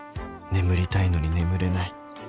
［眠りたいのに眠れない］